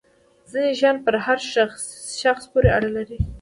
ځینې شیان پر هر شخص پورې اړه لري.